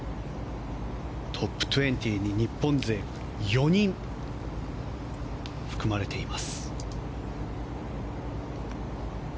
トップ２０に日本勢が４人含まれています。